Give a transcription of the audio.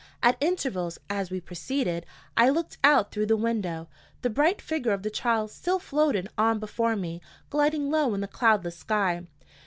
At intervals, as we proceeded, I looked out through the window. The bright figure of the child still floated on before me gliding low in the cloudless sky.